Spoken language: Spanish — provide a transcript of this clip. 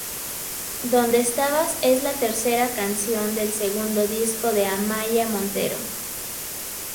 Donde estabas es la tercera canción del segundo disco de Amaia Montero.